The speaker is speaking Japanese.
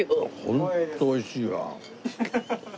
ホント美味しいわ。